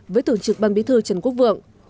với thượng trực băng bí thư trần quốc vượng